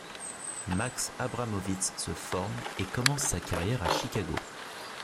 Max Abramovitz se forme et commence sa carrière à Chicago.